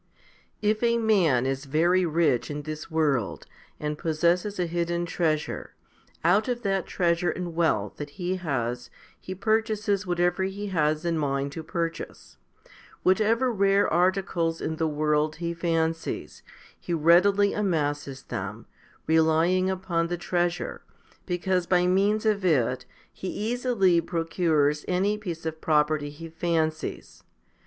i. IF a man is very rich in this world, and possesses a hidden treasure, out of that treasure and wealth that he has he purchases whatever he has a mind to purchase. What ever rare articles in the world he fancies, he readily amasses them, relying upon the treasure, because by means of it he easily procures any piece of property he fancies.